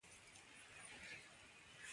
په سختیو کې ثابت واقع کېدای شي.